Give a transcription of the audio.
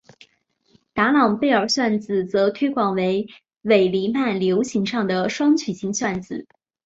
达朗贝尔算子则推广为伪黎曼流形上的双曲型算子。